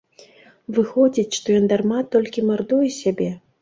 Выходзіць, што ён дарма толькі мардуе сябе?